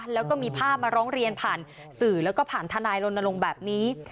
แล้วก็มีภาพมาร้องเรียนผ่านสื่อแล้วก็ผ่านทนายรณรงค์แบบนี้